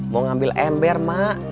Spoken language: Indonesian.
mau ngambil ember mak